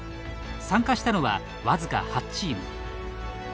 参加したのは、わずか８チーム。